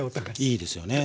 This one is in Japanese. いいですよね。